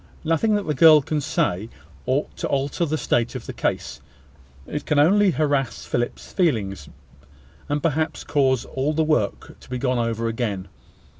Nothing that the girl can say ought to alter the state of the case: it can only harass Philip's feelings, and perhaps cause all the work to be gone over again.